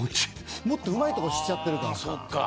もっとうまい所知っちゃってるから。